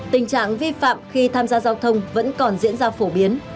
tình trạng vi phạm khi tham gia giao thông vẫn còn diễn ra phổ biến